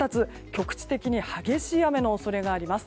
局地的に激しい雨の恐れがあります。